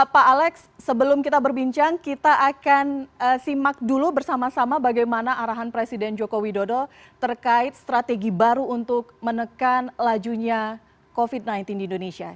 pak alex sebelum kita berbincang kita akan simak dulu bersama sama bagaimana arahan presiden joko widodo terkait strategi baru untuk menekan lajunya covid sembilan belas di indonesia